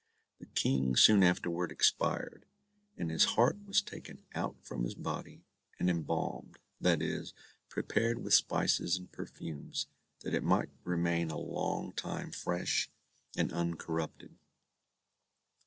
The King soon afterward expired; and his heart was taken out from his body and embalmed, that is, prepared with spices and perfumes, that it might remain a long time fresh and uncorrupted.